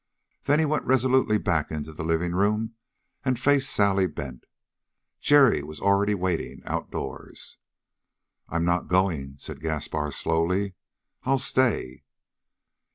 Then he went resolutely back into the living room and faced Sally Bent; Jerry was already waiting outdoors. "I'm not going," said Gaspar slowly. "I'll stay."